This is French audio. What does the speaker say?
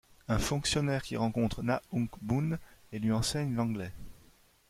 Un fonctionnaire qui rencontre Na Ok-boon et lui enseigne l'anglais.